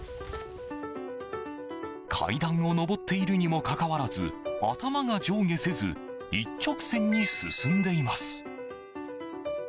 階段を上っているにもかかわらず頭が上下せず一直線に進んでいます。